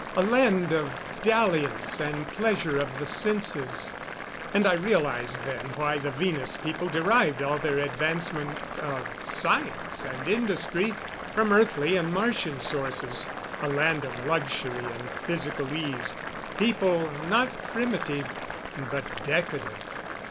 A land of dalliance and pleasure of the senses. And I realized then why the Venus people derived all their advancement of science and industry from Earthly and Martian sources. A hand of luxury and physical ease. People, not primitive but decadent.